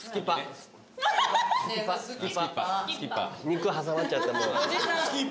肉挟まっちゃってもう。